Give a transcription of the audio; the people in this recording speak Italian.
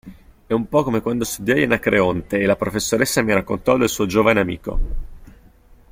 È un po' come quando studiai Anacreonte e la professoressa mi raccontò del suo giovane amico.